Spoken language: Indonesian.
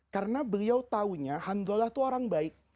karena beliau taunya hanzalah itu orang baik